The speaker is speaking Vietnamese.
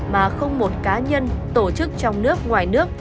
mà không một cá nhân tổ chức trong nước ngoài nước